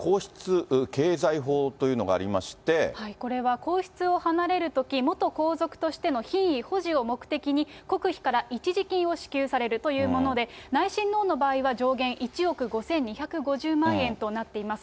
そして、これは皇室を離れるとき、元皇族としての品位保持を目的に、国費から一時金を支給されるというもので、内親王の場合は上限１億５２５０万円となっています。